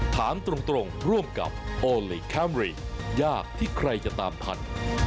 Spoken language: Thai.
ถามตรงร่วมกับโอลี่คัมรี่ยากที่ใครจะตามทัน